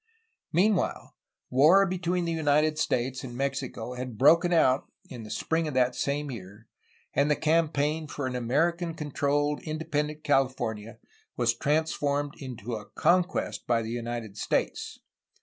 Meanwhile war between the United States and Mexico had broken out in the spring of that same year, and the campaign for an American controlled independent California was trans formed into a conquest by the United States.